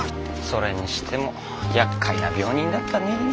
それにしてもやっかいな病人だったねえ。